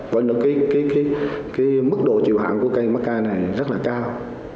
vậy nên cái mức độ chịu hạng của cây macca này rất là cao